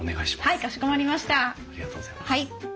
はい。